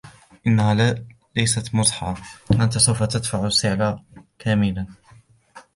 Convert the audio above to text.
إنها ليست مزحة. أنتَ سوف تدفع السعر كاملاً.